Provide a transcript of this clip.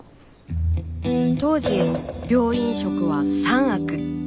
当時病院食は「３悪」。